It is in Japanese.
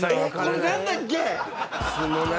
これなんだっけ？